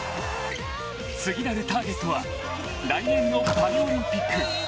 次なるターゲットは来年のパリオリンピック。